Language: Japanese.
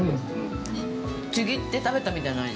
ちぎって食べたみたいな味。